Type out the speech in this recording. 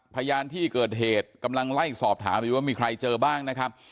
พยานที่เกิดเหตุกำลังไล่สอบถามอยู่ว่ามีใครเจอบ้างนะครับ